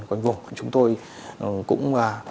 quanh vùng chúng tôi cũng